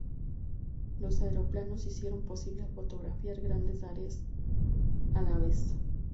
Los aeroplanos hicieron posible fotografiar grandes áreas a la vez.